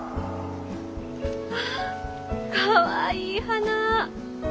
わあかわいい花！